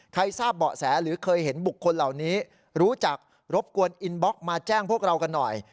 ทราบเบาะแสหรือเคยเห็นบุคคลเหล่านี้รู้จักรบกวนอินบล็อกมาแจ้งพวกเรากันหน่อย